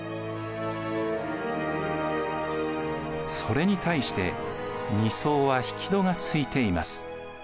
それに対して２層は引き戸がついています。